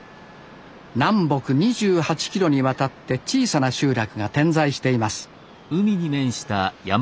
南北２８キロにわたって小さな集落が点在しています